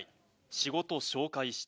仕事紹介して。